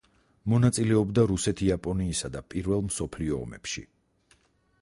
მონაწილეობდა რუსეთ-იაპონიისა და პირველ მსოფლიო ომებში.